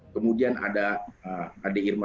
kemudian ada enam orang perwira tinggi angkatan darat